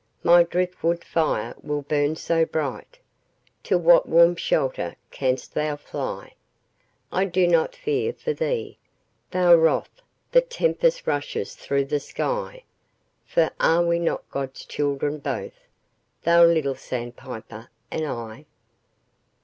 My driftwood fire will burn so bright! To what warm shelter canst thou fly? I do not fear for thee, though wroth The tempest rushes through the sky: For are we not God's children both, Thou, little sandpiper, and I?